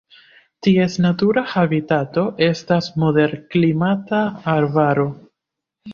Ties natura habitato estas moderklimata arbaro.